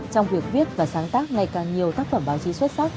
trong việc viết và sáng tác ngày càng nhiều tác phẩm báo chí xuất sắc